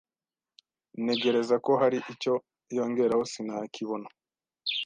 Ntegereza ko hari icyo yongeraho sinakibona